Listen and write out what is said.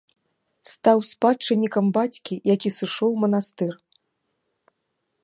Стаў спадчыннікам бацькі, які сышоў у манастыр.